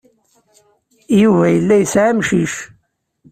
Yuba yella yesɛa amcic.